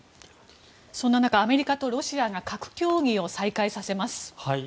そんな中、アメリカとロシアが核協議を再開させます。